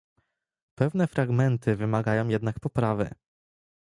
Pewne fragmenty wymagają jednak poprawy